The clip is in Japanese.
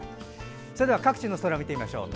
それでは各地の空見てみましょう。